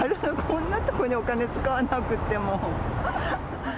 こんなところにお金使わなくっても。